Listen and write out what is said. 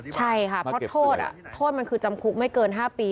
ใช่ค่ะเพราะโทษโทษมันคือจำคุกไม่เกิน๕ปี